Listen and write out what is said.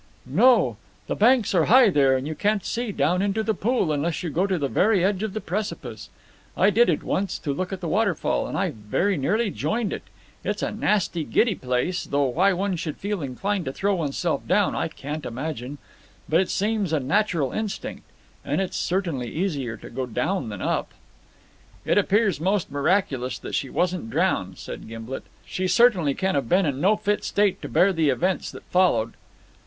"No. The banks are high there, and you can't see down into the pool unless you go to the very edge of the precipice. I did it once, to look at the waterfall, and I very nearly joined it. It's a nasty giddy place, though why one should feel inclined to throw oneself down I can't imagine; but it seems a natural instinct, and it's certainly easier to go down than up." "It appears almost miraculous that she wasn't drowned," said Gimblet. "She certainly can have been in no fit state to bear the events that followed."